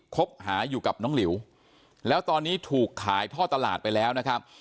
คบหาอยู่กับน้องหลิวแล้วตอนนี้ถูกขายท่อตลาดไปแล้วนะครับ